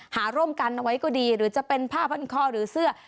หาร่วมกันเอาไว้ก็ดีหรือจะเป็นผ้าพันคอหรือเสื้อ